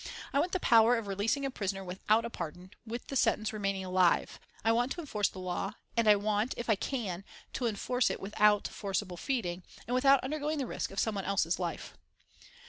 I want the power of releasing a prisoner without a pardon, with the sentence remaining alive.... I want to enforce the Law, and I want, if I can, to enforce it without forcible feeding, and without undergoing the risk of some one else's life."